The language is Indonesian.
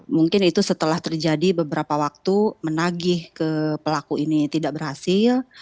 mungkin itu setelah terjadi beberapa waktu menagih ke pelaku ini tidak berhasil